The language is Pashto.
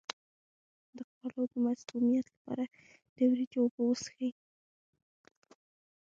د خوړو د مسمومیت لپاره د وریجو اوبه وڅښئ